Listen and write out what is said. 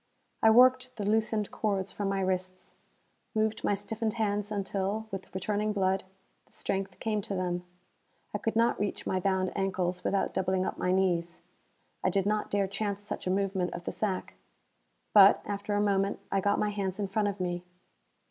I worked the loosened cords from my wrists; moved my stiffened hands until, with returning blood, the strength came to them. I could not reach my bound ankles without doubling up my knees. I did not dare chance such a movement of the sack. But, after a moment, I got my hands in front of me.